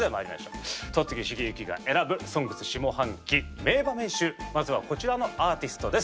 戸次重幸が選ぶ「ＳＯＮＧＳ」下半期名場面集まずはこちらのアーティストです。